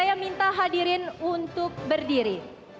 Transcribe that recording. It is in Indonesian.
saya minta hadirin untuk berdiri